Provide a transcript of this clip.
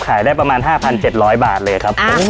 ขายได้ประมาณ๕๗๐๐บาทเลยครับ